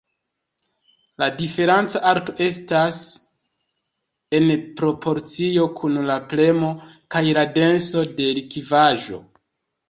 La diferenca alto estas en proporcio kun la premo kaj la denso de likvaĵo.